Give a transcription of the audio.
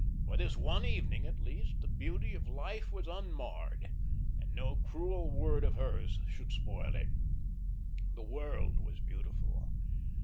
For this one evening, at least, the beauty of life was unmarred, and no cruel word of hers should spoil it. The world was beautiful.